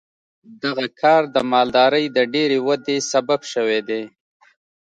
دغه کار د مالدارۍ د ډېرې ودې سبب شوی دی.